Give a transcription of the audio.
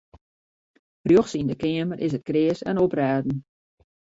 Rjochts yn de keamer is it kreas en oprêden.